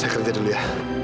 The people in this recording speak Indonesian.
saya kerja dulu ya